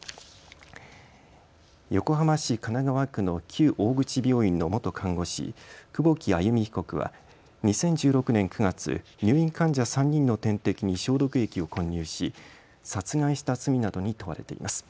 横浜市神奈川区の旧大口病院の元看護師、久保木愛弓被告は２０１６年９月、入院患者３人の点滴に消毒液を混入し殺害した罪などに問われています。